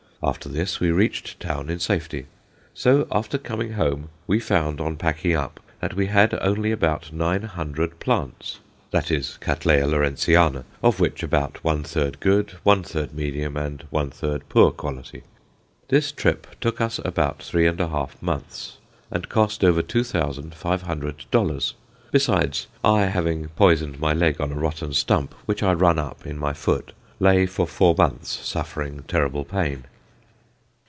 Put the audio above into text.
After this we reached town in safety. So after coming home we found, on packing up, that we had only about 900 plants, that is, Cattleya Lawrenceana, of which about one third good, one third medium, and one third poor quality. This trip took us about three and a half months, and cost over 2500 dollars. Besides, I having poisoned my leg on a rotten stump which I run up in my foot, lay for four months suffering terrible pain.